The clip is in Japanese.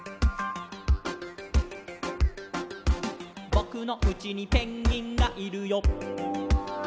「ぼくのうちにペンギンがいるよ」